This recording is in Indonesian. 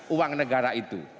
uang negara itu